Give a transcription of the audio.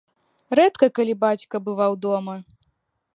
Рэдка калі бацька бываў дома.